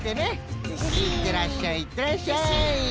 いってらっしゃいいってらっしゃい！